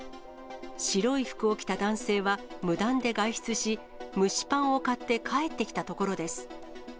白い服を着た男性は無断で外出し、蒸しパンを買って帰ってきたところです。